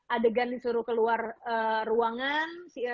adegan disuruh keluar ruangan